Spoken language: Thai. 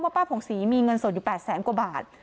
ป้าผงศรีมีเงินสดอยู่๘แสนกว่าบาท